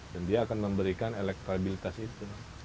dan dia akan memberikan elektabilitas itu